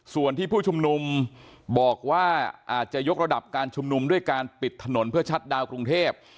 ส่วนที่ผู้ชุมนุมบอกว่าอาจจะยกระดับการชุมนุมด้วยการปิดถนนเพื่อชัดดาวนกรุงเทพ